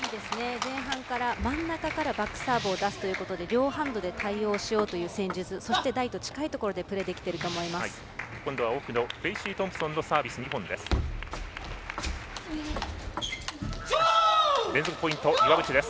前半から、真ん中からバックサーブを出すということで両ハンドで対応しようという戦術そして台と近いところでプレーできていると思います。